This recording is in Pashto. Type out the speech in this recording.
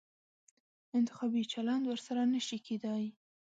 انتخابي چلند ورسره نه شي کېدای.